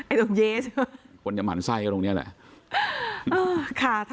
ไอ้ตรงเย้ใช่ไหมคนจะหมั่นไส้กับตรงเนี้ยแหละค่ะ